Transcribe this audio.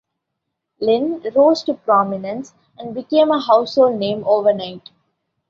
Lin rose to prominence and became a household name overnight.